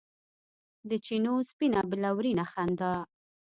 د چېنو سپینه بلورینه خندا